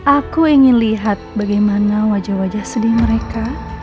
aku ingin lihat bagaimana wajah wajah sedih mereka